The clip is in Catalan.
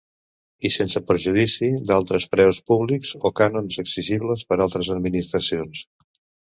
I sens perjudici d'altres preus públics o cànons exigibles per altres administracions.